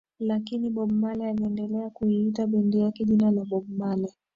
Lakini Bob Marley aliendelea kuita bendi yake jina la Bob Marley